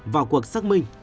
vào cuộc xác minh